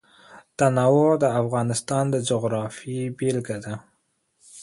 تنوع د افغانستان د جغرافیې بېلګه ده.